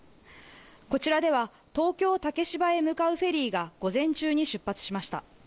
こちらでは東京竹芝へ向かうフェリーが午前中に出発しました。